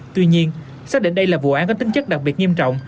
tuy nhiên xác định đây là vụ án có tính chất đặc biệt nghiêm trọng